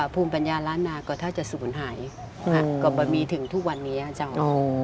ภูมิปัญญาล้านนาก็ถ้าจะศูนย์หายก็มีถึงทุกวันนี้อาจารย์